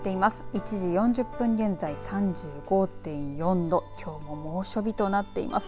１時４０分現在、３５．４度きょうも猛暑日となっています。